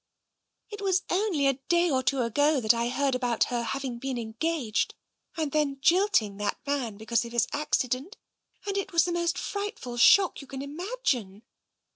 " It was only a day or two ago that I heard about her having been engaged and then jilting the man be cause of his accident, and it was the most frightful shock you can imagine.